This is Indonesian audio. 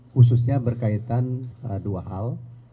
khususnya berkaitan dua hal